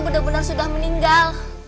bener bener sudah meninggal